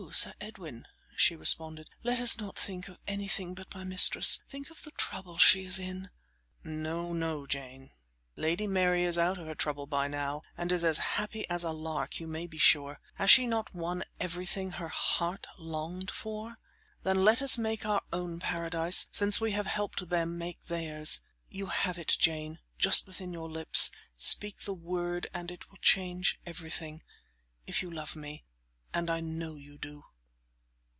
Sir Edwin," she responded, "let us not think of anything but my mistress. Think of the trouble she is in." "No! no! Jane; Lady Mary is out of her trouble by now, and is as happy as a lark, you may be sure. Has she not won everything her heart longed for? Then let us make our own paradise, since we have helped them make theirs. You have it, Jane, just within your lips; speak the word and it will change everything if you love me, and I know you do."